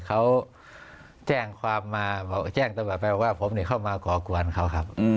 เขาแจ้งตำรวจไปว่าผมเนี่ยเข้ามากล่อกวนเขาครับ